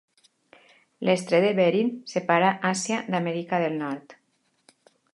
L'Estret de Bering separa Àsia d'Amèrica del Nord.